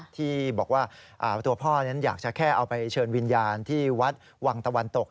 ที่บอกว่าตัวพ่อนั้นอยากจะแค่เอาไปเชิญวิญญาณที่วัดวังตะวันตก